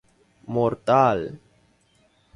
mortal